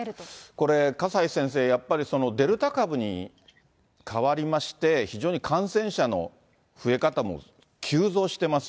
これ、笠井先生、やっぱりデルタ株に変わりまして、非常に感染者の増え方も急増してます。